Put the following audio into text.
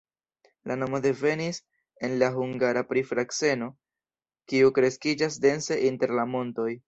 La nomo devenis en la hungara pri frakseno, kiu kreskiĝas dense inter la montoj.